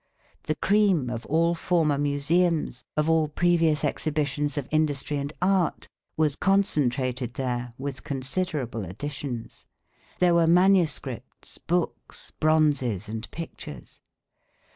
The cream of all former museums, of all previous exhibitions of industry and art, was concentrated there with considerable additions. There were manuscripts, books, bronzes, and pictures.